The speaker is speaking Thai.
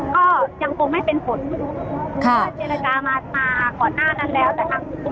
ก็ยังคงไม่เป็นผลเมื่อเจรจามาก่อนหน้านั้นแล้วแต่ทาง